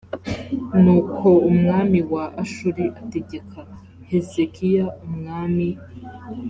nuko umwami wa ashuri ategeka hezekiya umwami